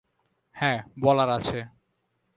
হ্যাঁ, বলার আছে।